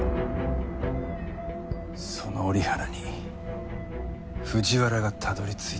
その折原に藤原がたどり着いた。